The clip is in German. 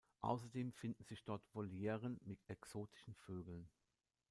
Außerdem finden sich dort Volieren mit exotischen Vögeln.